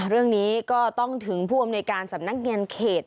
เรื่องนี้ก็ต้องถึงผู้อำนวยการสำนักงานเขต